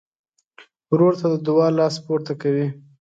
ورور ته د دعا لاس پورته کوي.